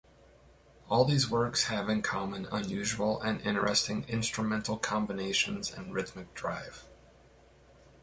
All these works have in common unusual and interesting instrumental combinations and rhythmic drive.